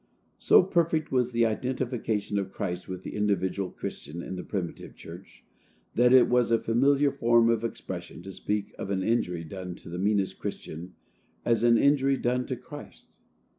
'" So perfect was the identification of Christ with the individual Christian in the primitive church, that it was a familiar form of expression to speak of an injury done to the meanest Christian as an injury done to Christ.